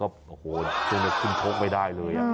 โอ้โหช่วงนี้ขึ้นชกไม่ได้เลย